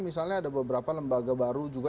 misalnya ada beberapa lembaga baru juga